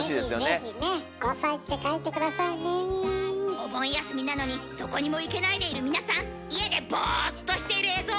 お盆休みなのにどこにも行けないでいる皆さん家でボーっとしている映像を送って下さい！